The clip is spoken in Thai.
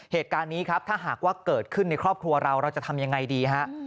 เหตุการณ์นี้ครับถ้าหากว่าเกิดขึ้นในครอบครัวเราเราจะทำยังไงดีฮะ